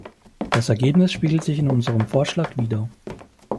Das Ergebnis spiegelt sich in unserem Vorschlag wider.